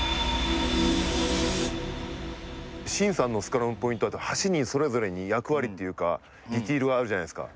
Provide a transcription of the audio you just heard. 慎さんのスクラムのポイントだと８人それぞれに役割っていうかディティールがあるじゃないですか。